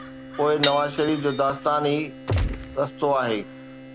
پوءِ نواز شريف جو داستان ئي رستو آهي.